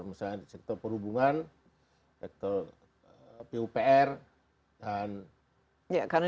maksudnya sektor perhubungan sektor pupr dan terima kasih